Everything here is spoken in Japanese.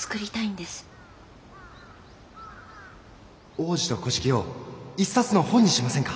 「王子と乞食」を一冊の本にしませんか？